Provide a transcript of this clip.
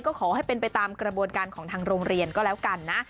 ก็ขอให้เป็นไปตามกระบวนการของทางโรงเรียนก็แล้วกันนะ